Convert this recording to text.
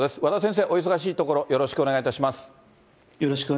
和田先生、お忙しいところ、よろしくお願いいたします。